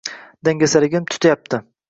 dangasaligim tutyapti.